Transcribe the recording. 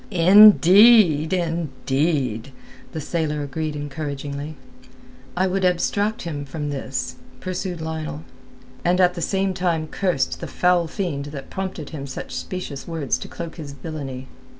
"Indeed, indeed!" the sailor agreed encouragingly. "I would abstract him from this," pursued Lionel, and at the same time cursed the foul fiend that prompted him such specious words to cloak his villainy.